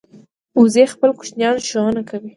وزې خپل کوچنیان ښوونه کوي